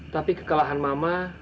tapi kekalahan mama